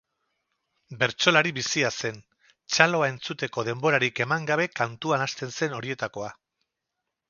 Bertsolari bizia zen, txaloa entzuteko denborarik eman gabe kantuan hasten zen horietakoa.